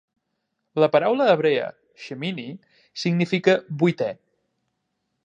La paraula hebrea "shemini" significa "vuitè".